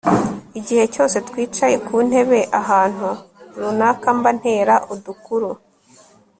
igihe cyose twicaye ku ntebe ahantu runaka mba ntera udukuru